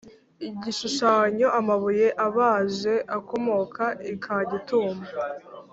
Igishushanyo Amabuye abaje akomoka i Kagitumba